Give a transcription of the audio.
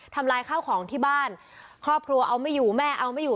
ลายข้าวของที่บ้านครอบครัวเอาไม่อยู่แม่เอาไม่อยู่